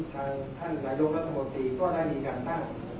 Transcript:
ท่านรายลงรัฐบทธิก็ได้มีการตั้ง